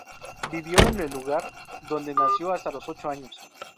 Vivió en el lugar donde nació hasta los ocho años.